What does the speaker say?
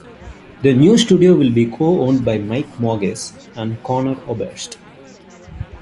The new studio will be co-owned by Mike Mogis and Conor Oberst.